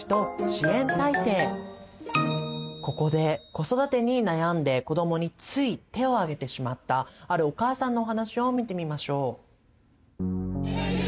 ここで子育てに悩んで子どもについ手を上げてしまったあるお母さんのお話を見てみましょう。